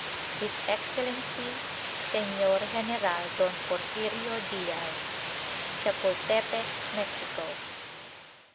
HIS EXCELLENCY SEÑOR GENERAL DON PORFIRIO DIAZ, Chapultepec, Mexico.